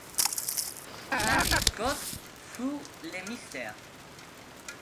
Larry Scott fut le Mr.